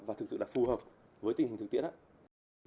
và thực sự là phù hợp với tình hình thực tiễn ạ